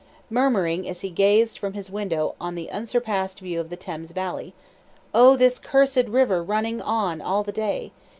murmuring as he gazed from his castle window on the unsurpassed view of the Thames Valley, "Oh, this cursed river running on all the day!"